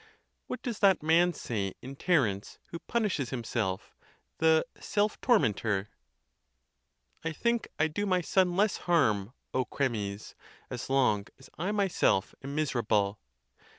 What does that man say in Ter ence who punishes himself, the Self tormentor ? I think I do my son less harm, O Chremes, As long as I myself am miserable.